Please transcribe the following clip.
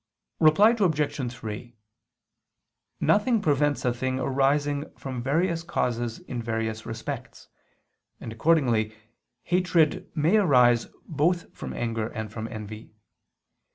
Reply Obj. 3: Nothing prevents a thing arising from various causes in various respects, and accordingly hatred may arise both from anger and from envy.